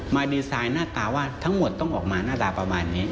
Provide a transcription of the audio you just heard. ดีไซน์หน้าตาว่าทั้งหมดต้องออกมาหน้าตาประมาณนี้